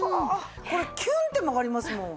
これキュンって曲がりますもん。